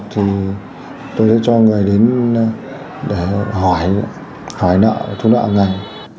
tôi sẽ cho người đến để hỏi nợ thu nợ ngay